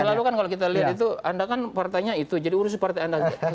selalu kan kalau kita lihat itu anda kan partainya itu jadi urus partai anda